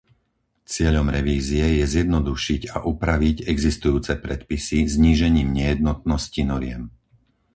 Cieľom revízie je zjednodušiť a upraviť existujúce predpisy znížením nejednotnosti noriem.